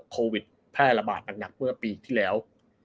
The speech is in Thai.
โควิดแพร่ระบาดกันหนักเมื่อปีที่แล้ว